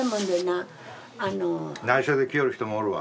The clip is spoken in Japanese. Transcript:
内緒で来よる人もおるわ。